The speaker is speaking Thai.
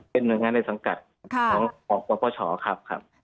เป็นหน่วยงานในสังกัดของศูนย์ประสานคุ้มครองสิทธิ์